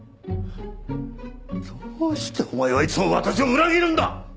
どうしてお前はいつも私を裏切るんだ！